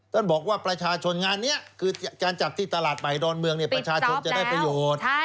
ท่านบอกว่าประชาชนงานนี้คือการจับที่ตลาดใหม่ดอนเมืองประชาชนจะได้ประโยชน์